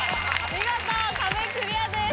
見事壁クリアです。